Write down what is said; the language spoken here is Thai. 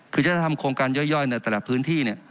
คือฉันจะทำโครงการย่อยในแต่ละพื้นที่